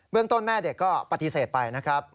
เรื่องต้นแม่เด็กก็ปฏิเสธไปนะครับ